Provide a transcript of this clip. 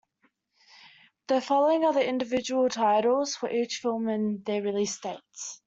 The following are the individual titles for each film and their release dates.